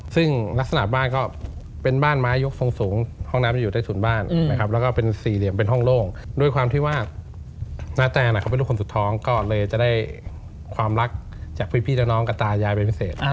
ซึ่งลักษณะบ้านก็เป็นบ้านไม้ยกทรงสูงห้องน้ำจะอยู่ใต้ถุนบ้านนะครับแล้วก็เป็นสี่เหลี่ยมเป็นห้องโล่งด้วยความที่ว่านาแตนเขาเป็นคนสุดท้องก็เลยจะได้ความรักจากพี่น้องกับตายายเป็นพิเศษ